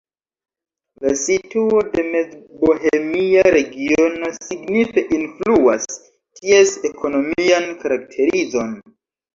La situo de Mezbohemia Regiono signife influas ties ekonomian karakterizon.